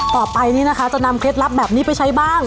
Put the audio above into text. ต่อไปนี้นะคะจะนำเคล็ดลับแบบนี้ไปใช้บ้าง